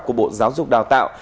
của bộ giáo dục đào tạo